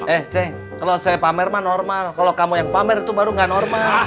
eh cek kalau saya pamer mah normal kalau kamu yang pamer itu baru nggak normal